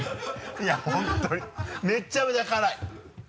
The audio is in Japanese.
いや本当にめちゃめちゃ辛い。